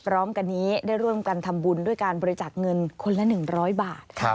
พร้อมกันนี้ได้ร่วมกันทำบุญด้วยการบริจาคเงินคนละ๑๐๐บาท